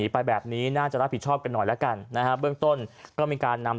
ไปแบบนี้น่าจะรับผิดชอบกันหน่อยแล้วกันนะฮะเบื้องต้นก็มีการนำ